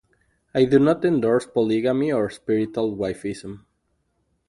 I do not endorse polygamy or spiritual wifeism.